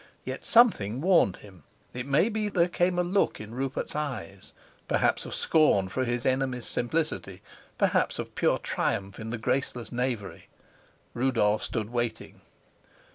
Yet something warned him: it may be there came a look in Rupert's eyes, perhaps of scorn for his enemy's simplicity, perhaps of pure triumph in the graceless knavery. Rudolf stood waiting.